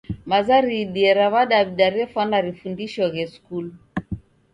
Maza riidie ra w'adawida refwana rifundishoghe skulu.